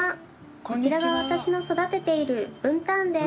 こちらが私の育てているブンタンです。